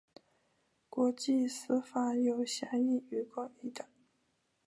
国际私法有狭义与广义的。